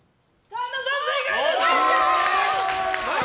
神田さん、正解です！